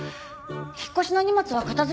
引っ越しの荷物は片づけたの？